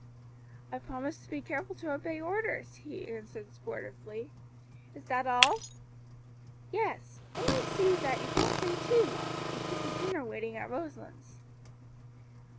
"I promise to be careful to obey orders," he answered, sportively. "Is that all?" "Yes; only see that you don't stay too long, and keep the dinner waiting at Roselands."